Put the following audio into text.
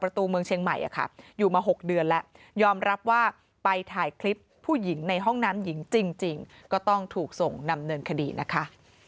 ตัวเมืองเชียงใหม่อยู่มา๖เดือนแล้วยอมรับว่าไปถ่ายคลิปผู้หญิงในห้องน้ำหญิงจริงก็ต้องถูกส่งดำเนินคดีนะคะ